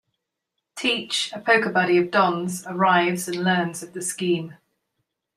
Teach, a poker buddy of Don's, arrives and learns of the scheme.